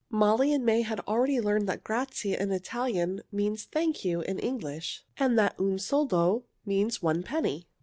Molly and May had already learned that grazie in Italian means "thank you" in English, and that un soldo means "one penny."